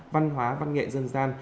văn hóa văn nghệ dân gian